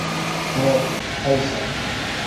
High, sir!